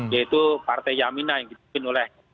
yaitu partai yamina yang dipimpin oleh